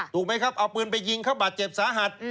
ถูกไหมครับเอาปืนไปยิงเขาบาดเจ็บสาหัส